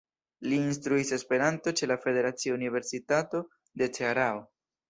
Li instruis Esperanton ĉe la Federacia Universitato de Cearao.